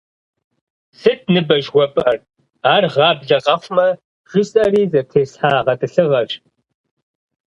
Сыт ныбэ жыхуэпӏэр? Ар гъаблэ къэхъумэ жысӏэри зэтеслъхьа гъэтӏылъыгъэщ.